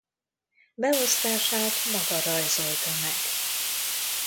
Beosztását maga rajzolta meg.